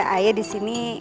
ayah di sini